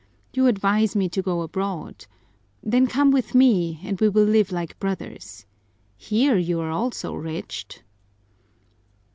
You advise me to go abroad then come with me and we will live like brothers. Here you also are wretched."